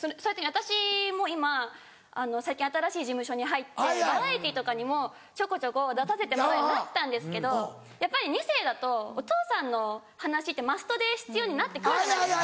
私も今最近新しい事務所に入ってバラエティーとかにもちょこちょこ出させてもらえるようになったんですけどやっぱり２世だとお父さんの話ってマストで必要になって来るじゃないですか。